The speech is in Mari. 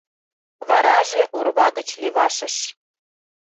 Вараже — орва гыч левашыш.